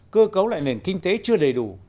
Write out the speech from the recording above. cơ cấu lại nền kinh tế chưa đầy đủ